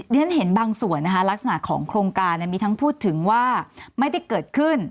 เรียนเห็นบางส่วนนะคะลักษณะของโครงการมีทั้งพูดถึงว่าไม่ได้เกิดขึ้น